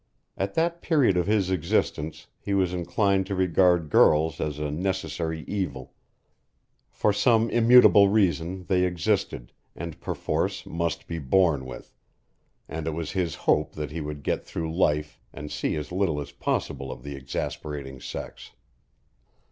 At that period of his existence he was inclined to regard girls as a necessary evil. For some immutable reason they existed, and perforce must be borne with, and it was his hope that he would get through life and see as little as possible of the exasperating sex.